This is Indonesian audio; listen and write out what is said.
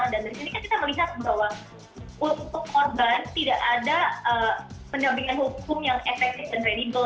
dan dari sini kan kita melihat bahwa untuk korban tidak ada penyambingan hukum yang efektif dan redible